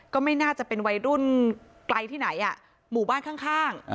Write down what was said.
ก็ไม่น่าจะเป็นวัยรุ่นไกลที่ไหนหมู่บ้านข้าง